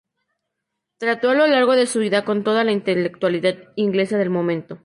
Trató a lo largo de su vida con toda la intelectualidad inglesa del momento.